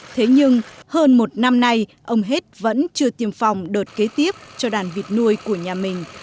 thế nhưng hơn một năm nay ông hết vẫn chưa tiêm phòng đợt kế tiếp cho đàn vịt nuôi của nhà mình